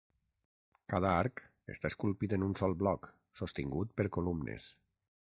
Cada arc està esculpit en un sol bloc, sostingut per columnes.